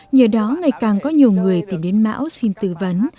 nhờ đó ngày càng có nhiều người tìm đến mão xin tư vấn